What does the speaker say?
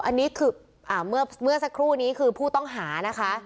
อันนี้คือเมื่อสักครู่นี้คือผู้ต้องหานะคะ